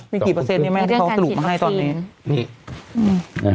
มีกี่เปอร์เซ็นต์นี่แม่ที่เขากลุ่มมาให้ตอนนี้นี่นะฮะ